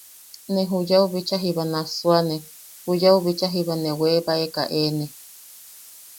Ne juyau bichaa jiba nassuane, juyau bichaa jiba ne weebaeka eene.